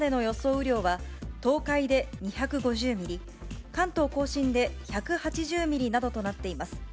雨量は、東海で２５０ミリ、関東甲信で１８０ミリなどとなっています。